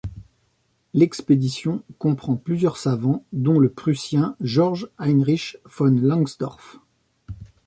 L'expédition comprend plusieurs savants dont le Prussien Georg Heinrich von Langsdorff.